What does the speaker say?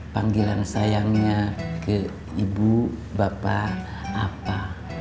panggilan sayangnya ke ibu bapak apa